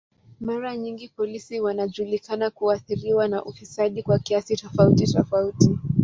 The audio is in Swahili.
Mara nyingi polisi wanajulikana kuathiriwa na ufisadi kwa kiasi tofauti tofauti.